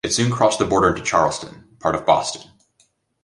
It soon crossed the border into Charlestown, part of Boston.